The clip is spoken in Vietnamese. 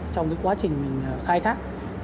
trong quá trình khai thác